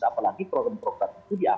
apalagi program program itu ya